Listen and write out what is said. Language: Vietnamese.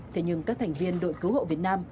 thế nhưng các thành viên đội cứu hộ việt nam